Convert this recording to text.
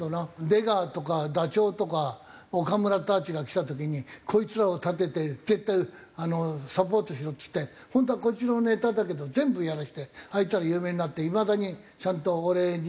出川とかダチョウとか岡村たちが来た時に「こいつらを立てて絶対サポートしろ」って言って本当はこっちのネタだけど全部やらせてあいつら有名になっていまだにちゃんとお礼に来るけども。